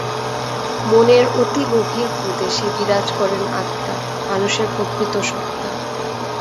মনের অতি-গভীর প্রদেশে বিরাজ করেন আত্মা, মানুষের প্রকৃত সত্তা।